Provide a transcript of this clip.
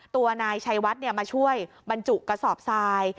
ตัวนายชัยวัดมาช่วยบรรจุกระสอบทราย